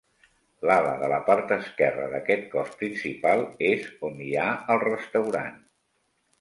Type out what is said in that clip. L’ala de la part esquerra d’aquest cos principal, és on hi ha el restaurant.